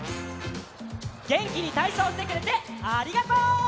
げんきにたいそうしてくれてありがとう！